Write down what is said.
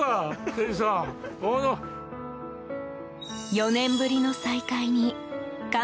４年ぶりの再会に感